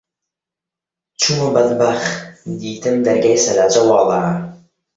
چوومە مەتبەخ، دیتم دەرگای سەلاجە واڵایە.